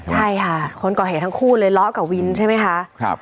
ใช่ค่ะคนก่อเหตุทั้งคู่เลยเลาะกับวินใช่ไหมคะ